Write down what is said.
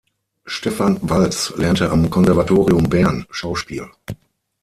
Stefan Walz lernte am Konservatorium Bern Schauspiel.